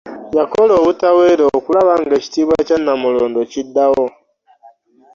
Yakola obutaweera okulaba ng'ekitiibwa Kya Nnamulondo kiddawo.